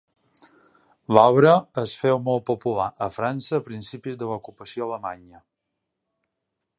L'obra es féu molt popular a França a principis de l'ocupació alemanya.